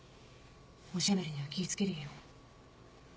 おしゃべりには気ぃ付けりよ。